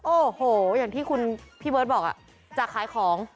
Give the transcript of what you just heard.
โอ้โหอย่างที่คุณพี่เบิร์ตบอกจากขายของ